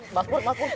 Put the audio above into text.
mbak pur mbak pur